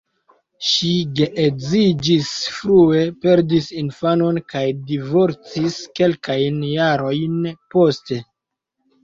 Ŝi geedziĝis frue, perdis infanon kaj divorcis kelkajn jarojn poste.